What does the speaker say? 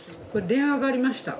電話がありました。